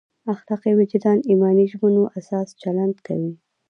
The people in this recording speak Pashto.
اخلاقي وجدان ایماني ژمنو اساس چلند کوي.